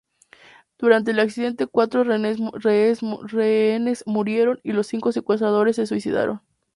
Durante el incidente cuatro rehenes murieron y los cinco secuestradores se suicidaron.